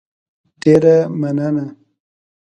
ډېره مننه